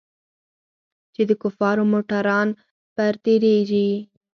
چې د کفارو موټران پر تېرېږي.